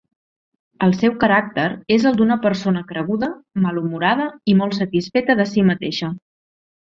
El seu caràcter és el d'una persona creguda, malhumorada i molt satisfeta de si mateixa.